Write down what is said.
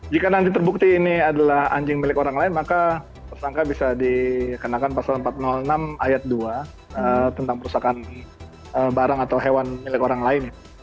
jika nanti terbukti ini adalah anjing milik orang lain maka tersangka bisa dikenakan pasal empat ratus enam ayat dua tentang perusahaan barang atau hewan milik orang lain